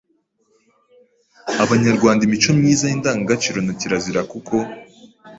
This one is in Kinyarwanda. Abanyarwanda imico myiza y’Indangagaciro na Kirazira kuko